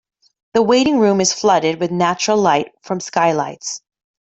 The waiting room is flooded with natural light from skylights.